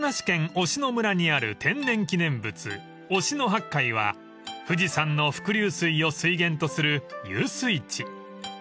忍野村にある天然記念物忍野八海は富士山の伏流水を水源とする湧水池］